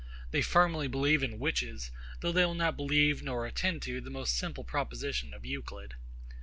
They firmly believe in witches, though they will not believe nor attend to the most simple proposition of Euclid.